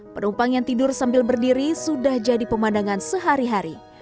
penumpang yang tidur sambil berdiri sudah jadi pemandangan sehari hari